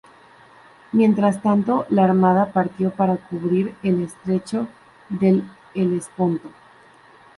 Mientras tanto, la armada partió para cubrir el estrecho del Helesponto.